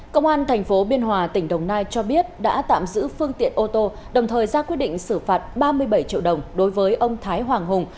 công an tp biên hòa tỉnh đồng nai cho biết đã tạm giữ phương tiện ô tô đồng thời ra quyết định xử phạt ba mươi bảy triệu đồng đối với ông thái hoàng hùng